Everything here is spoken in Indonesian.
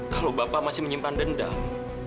kalau bapak masih menyimpan dendam